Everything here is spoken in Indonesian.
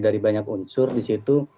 dari banyak unsur di situ